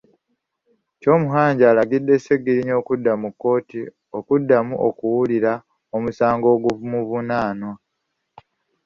Kyomuhangi alagidde Sseggirinya okudda mu kkooti okuddamu okuwulira omusango ogumuvunaanwa.